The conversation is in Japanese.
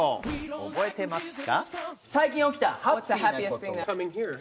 覚えてますか？